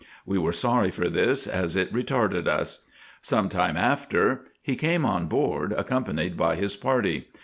We were sorry for this, as it retarded vis. Some time after he came on board, accompanied by his party.